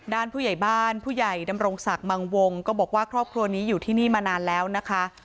ผู้ใหญ่บ้านผู้ใหญ่ดำรงศักดิ์มังวงก็บอกว่าครอบครัวนี้อยู่ที่นี่มานานแล้วนะคะ